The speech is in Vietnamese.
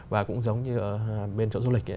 và cũng giống như bên chỗ du lịch